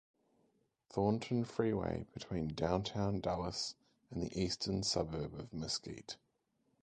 Thornton Freeway between downtown Dallas and the eastern suburb of Mesquite.